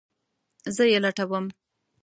زه یی لټوم